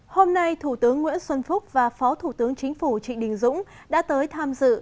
hôm nay thủ tướng nguyễn xuân phúc và phó thủ tướng chính phủ trị đình dũng đã tới tham dự